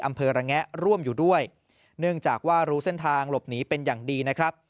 อำเภอรังแงะร่วมอยู่ด้วยเนื่องจากว่ารู้เส้นทางหลบหนีเป็นอย่างดี